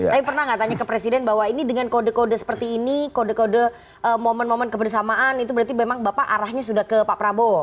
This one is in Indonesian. tapi pernah nggak tanya ke presiden bahwa ini dengan kode kode seperti ini kode kode momen momen kebersamaan itu berarti memang bapak arahnya sudah ke pak prabowo